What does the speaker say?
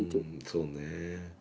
そうね。